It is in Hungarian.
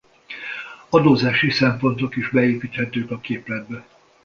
Adózási szempontok is beépíthetők a képletbe.